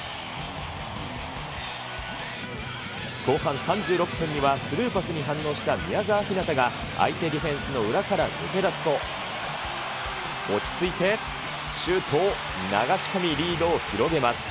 後半３６分にはスルーパスに反応した宮澤ひなたが相手ディフェンスの裏から抜け出すと、落ち着いてシュートを流し込み、リードを広げます。